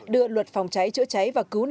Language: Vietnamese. đưa luật phòng cháy chữa cháy và cứu nạn